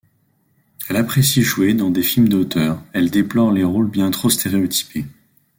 Elle apprécie jouer dans des films d'auteurs, elle déplore les rôles bien trop stéréotypés.